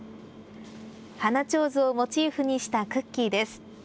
花ちょうずをモチーフにしたクッキーです。